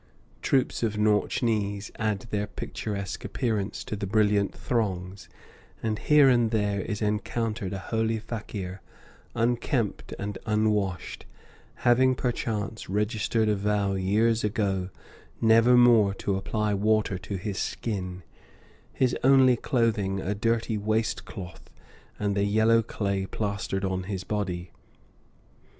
Troupes of Nautchnees add their picturesque appearance to the brilliant throngs, and here and there is encountered a holy fakir, unkempt and unwashed, having, perchance, registered a vow years ago never more to apply water to his skin, his only clothing a dirty waist cloth and the yellow clay plastered on his body.